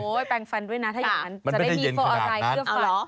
โอ๊ยแปลงฟันด้วยนะถ้าอย่างนั้นจะได้มีเก่าอะไรเพลือฟัน